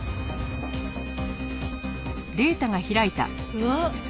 うわっ。